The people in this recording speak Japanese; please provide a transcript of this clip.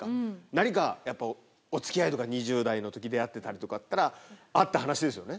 何かやっぱおつきあいとか、２０代のとき出会ってたりとかだったら、あった話ですよね？